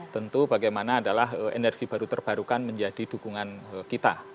tentu bagaimana adalah energi baru terbarukan menjadi dukungan kita